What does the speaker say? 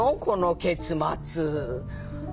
この結末。